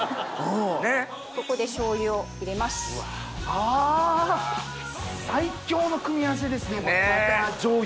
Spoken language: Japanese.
あ最強の組み合わせですねバター醤油。